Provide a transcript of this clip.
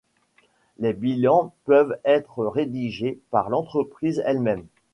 Les bilans peuvent être rédigés par l'entreprise elle-même.